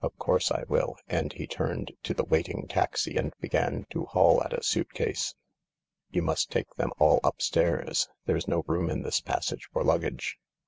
e 1 wiU '" and he turned t0 waiting taxi and began to haul at a suit case. " You must take them all upstairs. There's no room in this passage for luggage."